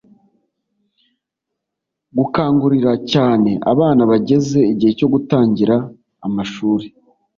gukangurira cyane abana bageze igihe cyo gutangira amashuri